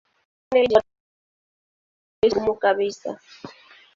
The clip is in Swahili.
Aliendelea kubuni njia ya kubadilisha tabia za mpira kuwa mgumu kabisa.